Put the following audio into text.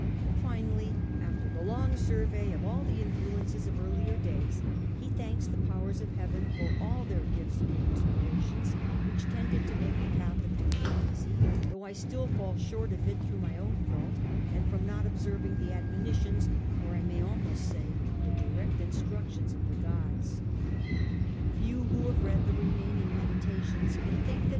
Finally, after the long survey of all the influences of earlier days, he thanks the powers of heaven for all ' their gifts and inspirations,' which tended to make the path of duty easy, ' though I still fall short of it through my own fault, and from not observing the admonitions, or I may almost say, the direct instructions of the gods.' Few who have read the remaining Meditations can think that M.